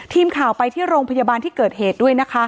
ทีมข่าวไปที่โรงพยาบาลที่เกิดเหตุด้วยนะคะ